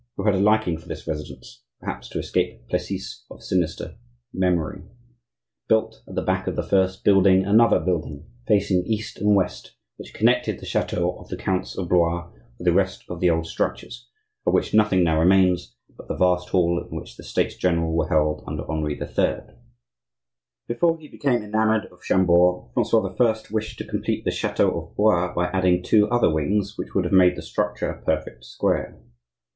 who had a liking for this residence (perhaps to escape Plessis of sinister memory), built at the back of the first building another building, facing east and west, which connected the chateau of the counts of Blois with the rest of the old structures, of which nothing now remains but the vast hall in which the States general were held under Henri III. Before he became enamoured of Chambord, Francois I. wished to complete the chateau of Blois by adding two other wings, which would have made the structure a perfect square.